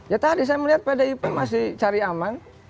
ya tadi saya melihat pdip masih cari aman